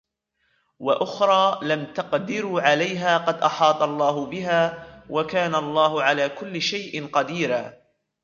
وَأُخْرَى لَمْ تَقْدِرُوا عَلَيْهَا قَدْ أَحَاطَ اللَّهُ بِهَا وَكَانَ اللَّهُ عَلَى كُلِّ شَيْءٍ قَدِيرًا